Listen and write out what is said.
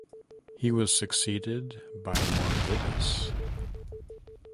He was succeeded by Morvidus.